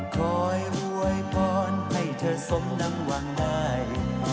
คอยอวยพรให้เธอสมดังหวังได้